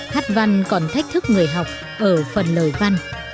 hát văn còn thách thức người học ở phần lời văn